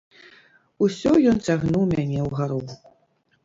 Усё ён цягнуў мяне ўгару.